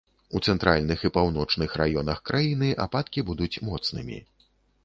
У цэнтральных і паўночных раёнах краіны ападкі будуць моцнымі.